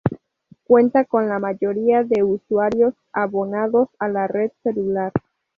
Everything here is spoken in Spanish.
Cuenta con la mayoría de usuarios abonados a la red celular.